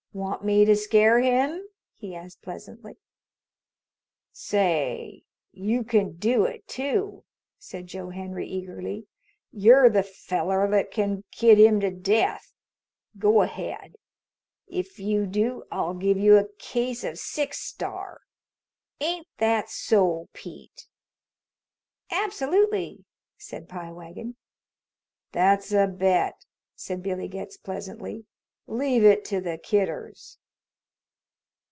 "Want me to scare him?" he asked pleasantly. "Say! You can do it, too!" said Joe Henry eagerly. "You're the feller that can kid him to death. Go ahead. If you do, I'll give you a case of Six Star. Ain't that so, Pete?" "Absolutely," said Pie Wagon. "That's a bet," said Billy Getz pleasantly. "Leave it to the Kidders."